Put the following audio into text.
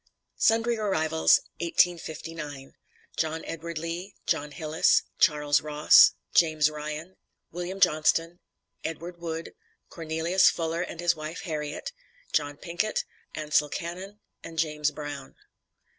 SUNDRY ARRIVALS, 1859. JOHN EDWARD LEE, JOHN HILLIS, CHARLES ROSS, JAMES RYAN, WILLIAM JOHNSTON, EDWARD WOOD, CORNELIUS FULLER AND HIS WIFE HARRIET, JOHN PINKET, ANSAL CANNON, AND JAMES BROWN.